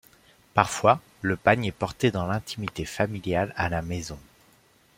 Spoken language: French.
Parfois, le pagne est porté dans l'intimité familiale à la maison.